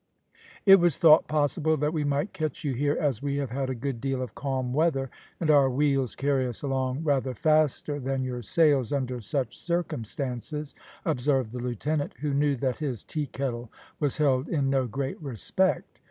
"It was thought possible that we might catch you here as we have had a good deal of calm weather, and our wheels carry us along rather faster than your sails under such circumstances," observed the lieutenant, who knew that his tea kettle was held in no great respect.